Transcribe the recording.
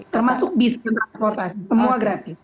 termasuk bis transportasi semua gratis